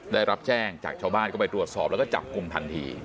ได้รับแจ้งจากชาวบ้านก็ไปตรวจสอบแล้วก็จับกลุ่มทันที